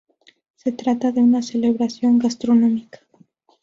Se trata de una celebración gastronómica.